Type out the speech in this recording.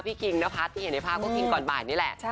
พี่คิงนะพาร์ทที่เห็นในภาพก็คิงก่อนบ่านนี้แหละ